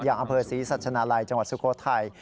อำเภอศรีสัชนาลัยจังหวัดสุโขทัย